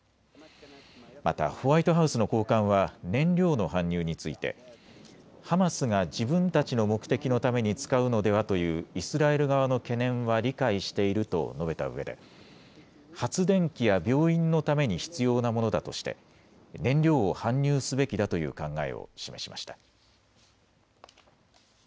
またホワイトハウスの高官は燃料の搬入についてハマスが自分たちの目的のために使うのではというイスラエル側の懸念は理解していると述べたうえで発電機や病院のために必要なものだとして燃料を搬入すべきだという考えを示しました。